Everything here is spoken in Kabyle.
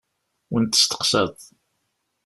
Win testeqsaḍ.